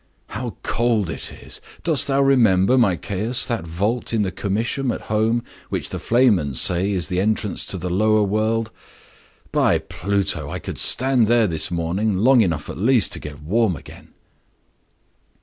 "How cold it is! Dost thou remember, my Caius, that vault in the Comitium at home which the flamens say is the entrance to the lower world? By Pluto! I could stand there this morning, long enough at least to get warm again!"